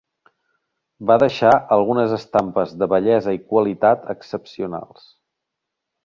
Va deixar algunes estampes de bellesa i qualitat excepcionals.